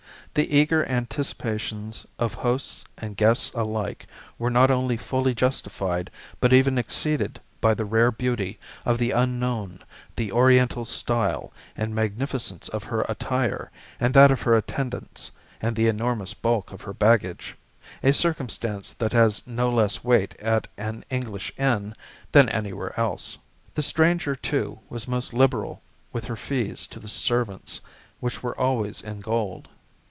The eager anticipations of hosts and guests alike were not only fully justified but even exceeded by the rare beauty of the unknown, the oriental style and magnificence of her attire and that of her attendants, and the enormous bulk of her baggage a circumstance that has no less weight at an English inn than any where else. The stranger, too, was most liberal with her fees to the servants, which were always in gold.